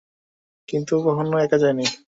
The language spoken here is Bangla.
কিন্তু কখনো একা যাইনি।